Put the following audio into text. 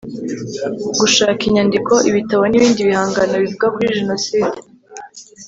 Gushaka inyandiko ibitabo nibindi bihangano bivuga kuri Jenoside